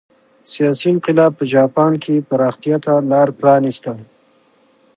سیاسي انقلاب په جاپان کې پراختیا ته لار پرانېسته.